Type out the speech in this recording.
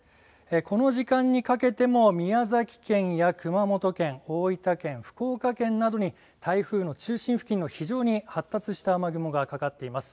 この時間にかけても宮崎県や熊本県、大分県、福岡県などに台風の中心付近の非常に発達した雨雲がかかっています。